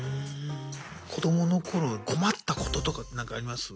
子どもの頃困ったこととかって何かあります？